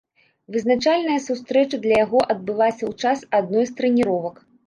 Вызначальная сустрэча для яго адбылася ў час адной з трэніровак.